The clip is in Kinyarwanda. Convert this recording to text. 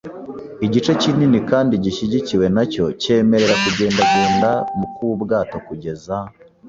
igice kinini, kandi gishyigikiwe nacyo, cyemerera kugendagenda kwubwato, komeza